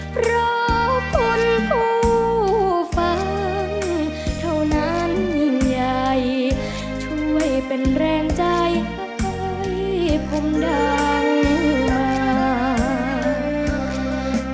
เพราะคุณผู้ฟังเท่านั้นยิ่งใหญ่ช่วยเป็นแรงใจให้ผมดังมาก